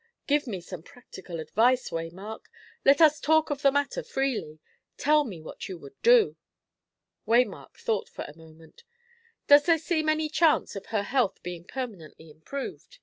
Give me some practical advice, Waymark! Let us talk of the matter freely. Tell me what you would do!" Waymark thought for a moment. "Does there seem any chance of her health being permanently improved?"